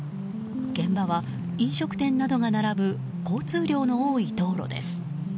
現場は飲食店などが並ぶ交通量の多い道路です。